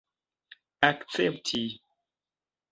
akcepti